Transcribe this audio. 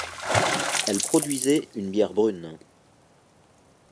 Elle produisait une bière brune.